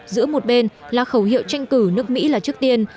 giữa một bên là khẩu hiệu tranh cử nước mỹ là trước tiên